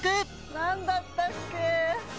なんだったっけ？